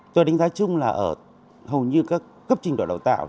tôi đánh giá chung là ở hầu như các cấp trình đội đào tạo